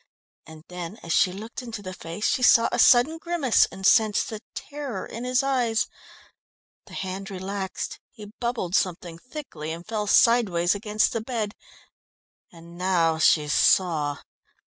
And then as she looked into the face she saw a sudden grimace, and sensed the terror in his eyes. The hand relaxed; he bubbled something thickly and fell sideways against the bed. And now she saw.